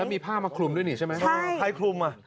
มีผ้ามาคลุมด้วยนี่ใช่ไหมใครคลุมอ่ะ